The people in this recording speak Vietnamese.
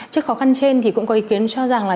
trước khó khăn trên thì cũng có ý kiến cho rằng là